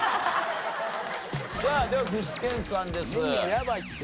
さあでは具志堅さんです。